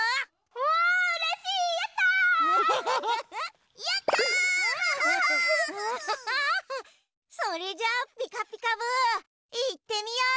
ウフフ。それじゃあ「ピカピカブ！」いってみよう！